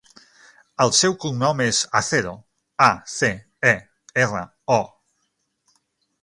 El seu cognom és Acero: a, ce, e, erra, o.